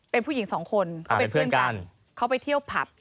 เป็นผู้หญิงสองคนเขาเป็นเพื่อนกันเขาไปเที่ยวผับ